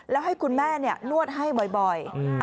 แล้วให้คุณแม่นวดให้บ่อย